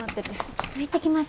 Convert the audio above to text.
ちょっと行ってきます。